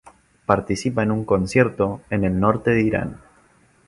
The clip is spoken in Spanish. Participa en un concierto en el norte de Irán.